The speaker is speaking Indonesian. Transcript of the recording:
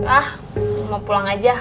ah mau pulang aja